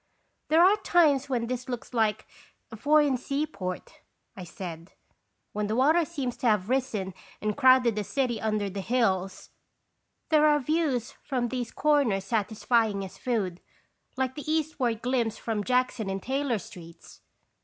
" There are times when this looks like a foreign seaport," I said, "when the water seems to have risen and crowded the city under the hills; there are views from these 158 !3l (Stations Visitation. corners satisfying as food, like the eastward glimpse from Jackson and Taylor streets."